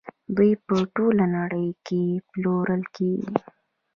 دوی په ټوله نړۍ کې پلورل کیږي.